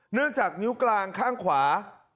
เนื่องจากนิ้วกลางข้างขวา